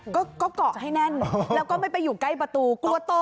ก็เกาะให้แน่นแล้วก็ไม่ไปอยู่ใกล้ประตูกลัวโต